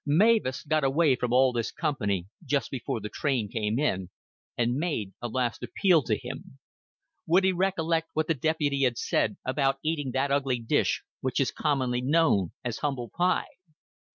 Mavis got him away from all this company just before the train came in, and made a last appeal to him. Would he recollect what the deputy had said about eating that ugly dish which is commonly known as humble pie?